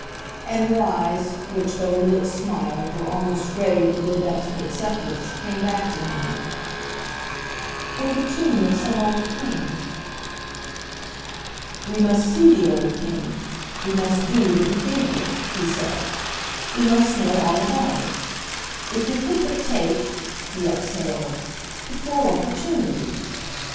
And her eyes, which, though her lips smiled, were almost grave with their depths of acceptance; came back to him. "Or the tomb of some old king." "We must see the old king; we must 'do' the cathedral," he said; "we must know all about it. If we could but take," he exhaled, "the full opportunity!"